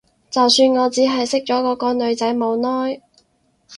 就算我只係識咗嗰個女仔冇耐